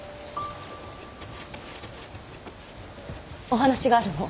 お話があるの。